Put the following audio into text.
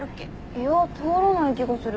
いや通らない気がする。